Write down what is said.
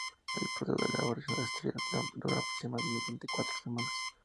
El proceso de elaboración de Estrella Damm dura aproximadamente cuatro semanas.